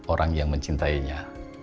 orang yang mencintainya